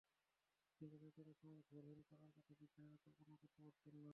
কিন্তু নিউটনের সময় ভরহীন কণার কথা বিজ্ঞানীরা কল্পনাও করতে পারতেন না।